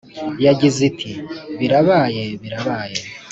yagize iti “birabaye, birabaye.